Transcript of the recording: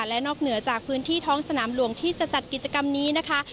และนอกเหนือจากพื้นที่ท้องสนามหลวงที่จะจัดกิจกรรมนี้นะคะ